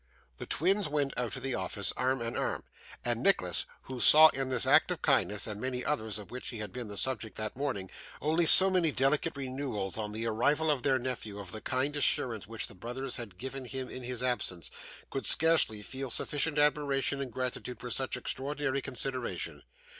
The twins went out of the office arm in arm, and Nicholas, who saw in this act of kindness, and many others of which he had been the subject that morning, only so many delicate renewals on the arrival of their nephew of the kind assurance which the brothers had given him in his absence, could scarcely feel sufficient admiration and gratitude for such extraordinary consideration.